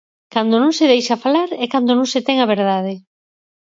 Cando non se deixa falar é cando non se ten a verdade.